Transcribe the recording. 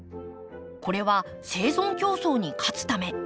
これは生存競争に勝つため。